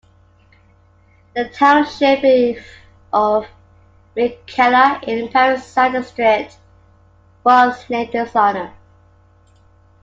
The township of McKellar in Parry Sound District was named in his honour.